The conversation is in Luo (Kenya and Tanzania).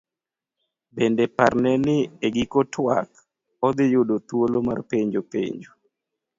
Bende parne ni e giko twak, odhi yudo thuolo mar penjo penjo.